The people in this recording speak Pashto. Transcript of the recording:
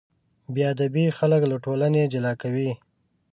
بېادبي خلک له ټولنې جلا کوي.